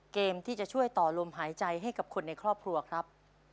เกมที่จะช่วยต่อลมหายใจให้กับคนในครอบครัวครับ